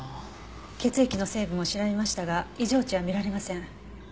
血液の成分も調べましたが異常値は見られません。